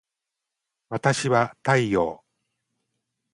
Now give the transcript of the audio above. わたしは太陽